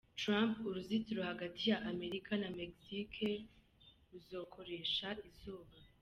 Trump: Uruzitiro hagati ya Amerika na Mexique ruzokoresha izuba.